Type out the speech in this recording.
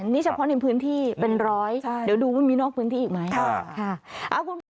นี่เฉพาะในพื้นที่เป็นร้อยเดี๋ยวดูว่ามีนอกพื้นที่อีกไหม